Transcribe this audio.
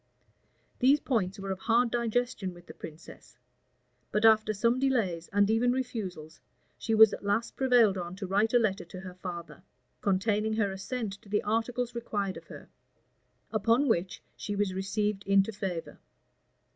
These points were of hard digestion with the princess; but after some delays, and even refusals, she was at last prevailed on to write a letter to her father,[] containing her assent to the articles required of her; upon which she was received into favor.